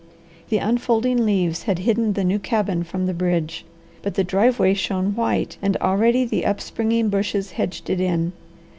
The unfolding leaves had hidden the new cabin from the bridge, but the driveway shone white, and already the upspringing bushes hedged it in.